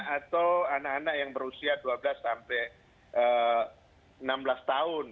atau anak anak yang berusia dua belas sampai enam belas tahun